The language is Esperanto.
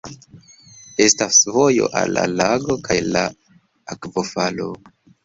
Estas vojo al la lago kaj la akvofalo.